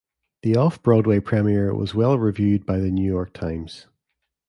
The Off-Broadway premiere was well reviewed by the "New York Times".